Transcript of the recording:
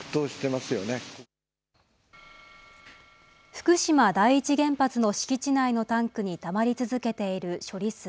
福島第一原発の敷地内のタンクにたまり続けている処理水。